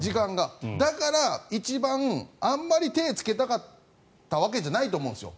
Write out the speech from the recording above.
だから、一番あんまり手を付けたかったわけじゃないと思うんですよ。